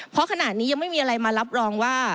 เพราะขณะนี้ยังไม่มีอะไรมารับรองว่า